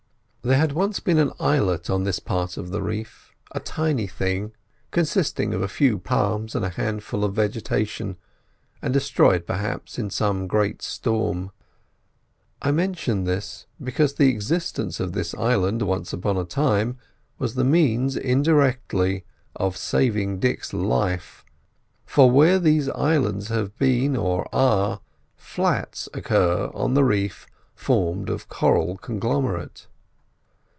There had once been an islet on this part of the reef, a tiny thing, consisting of a few palms and a handful of vegetation, and destroyed, perhaps, in some great storm. I mention this because the existence of this islet once upon a time was the means, indirectly, of saving Dick's life; for where these islets have been or are, "flats" occur on the reef formed of coral conglomerate.